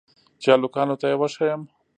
چې هلکانو ته يې وښييم.